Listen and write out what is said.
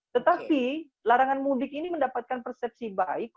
tetapi larangan mudik ini mendapatkan persepsi baik